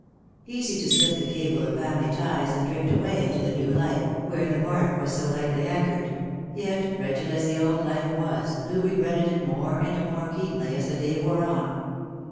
Easy to slip the cable of family ties and drift away into the new life, where the barque was so lightly anchored. Yet, wretched as the old life was, Loo regretted it more and more keenly as the day wore on.